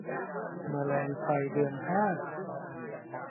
แมลงไฟเดือนห้า